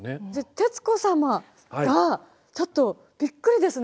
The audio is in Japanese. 徹子様がちょっとびっくりですね。